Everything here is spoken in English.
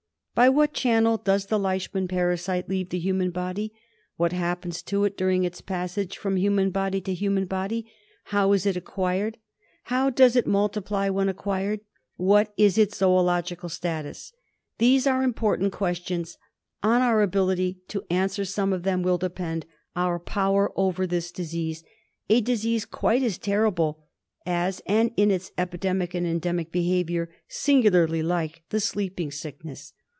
By what channel does the Leishman parasite leave the human body ? What happens to it during its passage from human body to human body? How is it acquired? How does it multiply when acquired ? What is its zoological status ? These are important questions. On our ability to answer some of them will depend our power over this disease, a disease quite as terrible as and, in its epidemic and endemic behaviour, singularly like the Sleeping Sickness.